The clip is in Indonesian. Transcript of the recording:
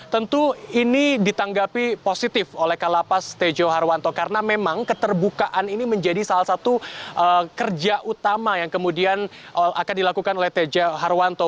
tentu ini ditanggapi positif oleh kalapas tejo harwanto karena memang keterbukaan ini menjadi salah satu kerja utama yang kemudian akan dilakukan oleh tejo harwanto